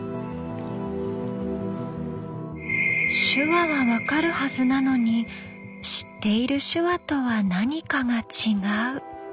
手話は分かるはずなのに知っている手話とは何かが違う。